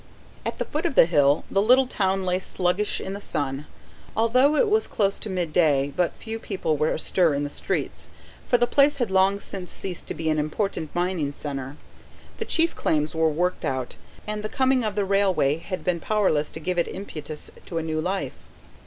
At the foot of the hill the little town lay sluggish in the sun. Although it was close on midday, but few people were astir in the streets; for the place had long since ceased to be an important mining centre: the chief claims were worked out; and the coming of the railway had been powerless to give it the impetus to a new life.